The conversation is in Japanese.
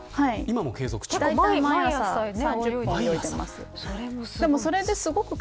今も継続中ですか。